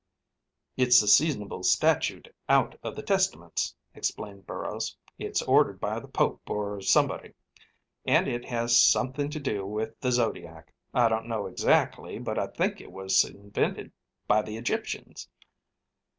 "It's a seasonable statute out of the testaments," explained Burrows. "It's ordered by the Pope or somebody. And it has something to do with the Zodiac I don't know exactly, but I think it was invented by the Egyptians."